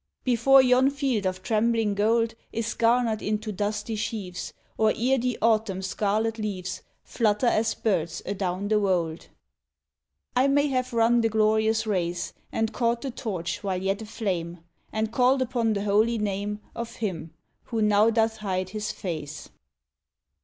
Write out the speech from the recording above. Before yon field of trembling gold Is garnered into dusty sheaves, Or ere the autumn's scarlet leaves Flutter as birds adown the wold, I may have run the glorious race, And caught the torch while yet aflame, And called upon the holy name Of Him who now doth hide His face.